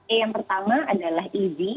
e yang pertama adalah ez